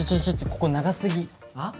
ここ長すぎあっ？